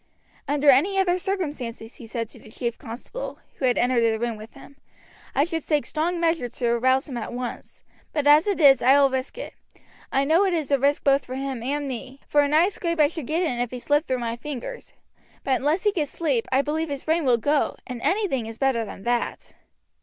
"Under any other circumstances," he said to the chief constable, who had entered the room with him, "I should take strong measures to arouse him at once, but as it is I will risk it. I know it is a risk both for him and me, for a nice scrape I should get in if he slipped through my fingers; but unless he gets sleep I believe his brain will go, and anything is better than that."